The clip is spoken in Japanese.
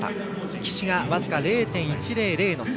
岸が僅か０．１００の差。